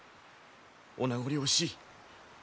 お名残惜しい。